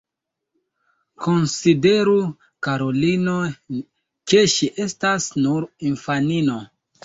Konsideru, karulino, ke ŝi estas nur infanino.